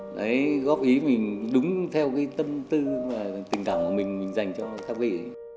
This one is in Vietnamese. đấy góp ý mình đúng theo cái tâm tư và tình cảm của mình mình dành cho các vị